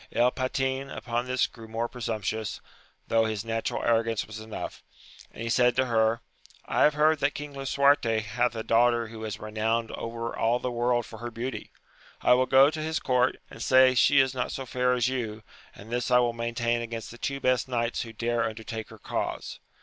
El Patin* upon this grew more presumptuous, though his natural arrogance was enough ; and he said to her, I have heard that King Lisuarte hath a daughter who is renowned over all the world for her beauty. I will go to his court, and say she is not so fair as you, and this I will maintain against the two best knights who dare under take her cause.